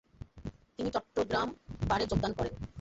তিনি চট্টগ্রাম বারে যোগদান করেন।